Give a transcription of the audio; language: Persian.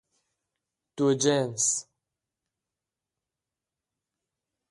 دوجنس